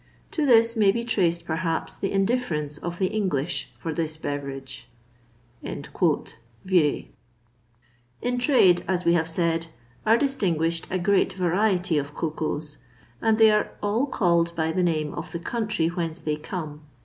To this may be traced, perhaps, the indifference of the English for this beverage." VIREY. In trade, as we have said, are distinguished a great variety of cocoas, and they are called by the name of the country whence they come.